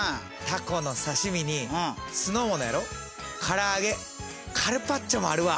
たこの刺身に酢の物やろからあげカルパッチョもあるわ。